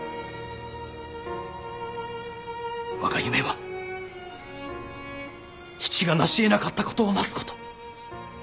我が夢は父が成しえなかったことをなすこと。